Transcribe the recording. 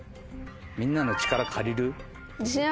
みんなの力借りる？